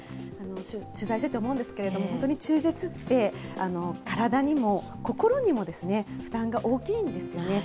取材してて思うんですけれども、本当に中絶って、体にも心にもですね、負担が大きいんですよね。